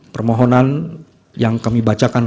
permohonan yang kami bacakan